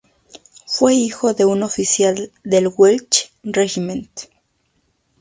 Fue hijo de un oficial del Welch Regiment.